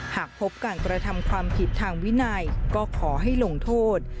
หากพบการกระทำความผิดทางวินัยก็ขอให้ลงโทษ